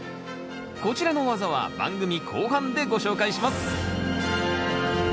こちらの技は番組後半でご紹介します。